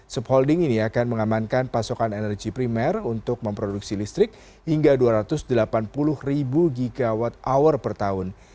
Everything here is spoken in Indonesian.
subholding ini akan mengamankan pasokan energi primer untuk memproduksi listrik hingga dua ratus delapan puluh ribu gigawatt hour per tahun